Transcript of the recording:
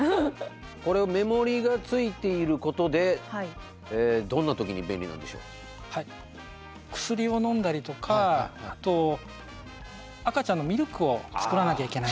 これ目盛りがついていることで薬をのんだりとかあと赤ちゃんのミルクを作らなきゃいけない。